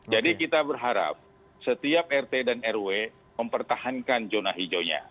jadi kita berharap setiap rt dan rw mempertahankan zona hijaunya